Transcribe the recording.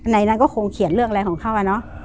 ในนั้นก็คงเขียนเรื่องอะไรของเขาอะเนาะ